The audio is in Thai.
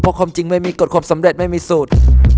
เพราะความจริงไม่มีกฎความสำเร็จไม่มีสูตร